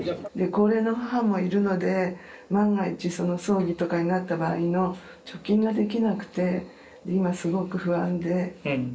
高齢の母もいるので万が一葬儀とかになった場合の貯金ができなくて今すごく不安で。